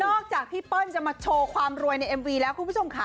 จากพี่เปิ้ลจะมาโชว์ความรวยในเอ็มวีแล้วคุณผู้ชมค่ะ